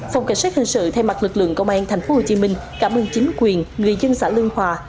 phòng cảnh sát hình sự thay mặt lực lượng công an thành phố hồ chí minh cảm ơn chính quyền người dân xã lương hòa